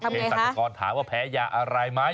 เฮงศักดิ์กรถามว่าแพ้ยาอะไรไหม